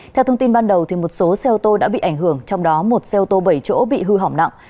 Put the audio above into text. theo thông tin ban đầu một số xe ô tô đã bị ảnh hưởng trong đó một xe ô tô bảy chỗ bị hư hỏng nặng